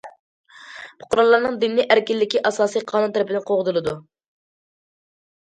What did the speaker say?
پۇقرالارنىڭ دىننى ئەركىنلىكى ئاساسى قانۇن تەرىپىدىن قوغدىلىدۇ.